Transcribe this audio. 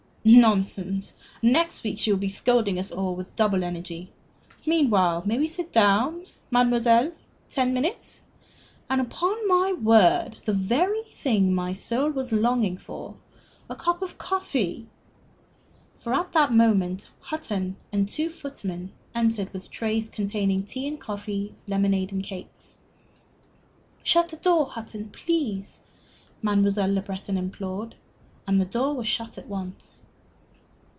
"Nonsense! Next week she will be scolding us all with double energy. Meanwhile, may we sit down, mademoiselle? Ten minutes? And, upon my word, the very thing my soul was longing for a cup of coffee!" For at the moment Hutton and two footmen entered with trays containing tea and coffee, lemonade and cakes. "Shut the door, Hutton, please," Mademoiselle Le Breton implored, and the door was shut at once.